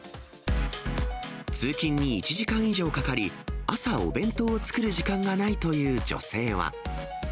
通勤に１時間以上かかり、朝、お弁当を作る時間がないという女性は。